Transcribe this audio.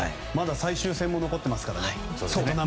まだ最終戦も残っていますからね。